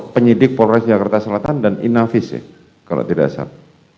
penyidik polres jakarta selatan dan inavis kalau tidak salah